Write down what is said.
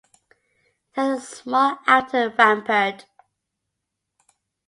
It has a small outer rampart.